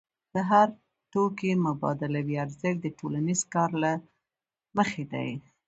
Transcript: د هر توکي مبادلوي ارزښت د ټولنیز کار له مخې دی.